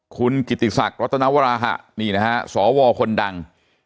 คุณกิติศักดิ์รัตนวราหะนี่นะฮะสวคนดัง